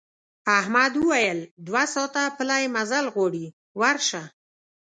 احمد وویل دوه ساعته پلی مزل غواړي ورشه.